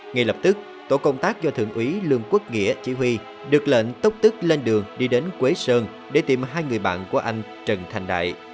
ngay lập tức tổ công tác do thượng úy lương quốc nghĩa chỉ huy được lệnh tốc tức lên đường đi đến quế sơn để tìm hai người bạn của anh trần thành đại